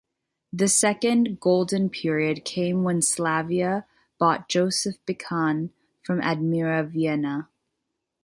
The second golden period came when Slavia bought Josef Bican from Admira Vienna.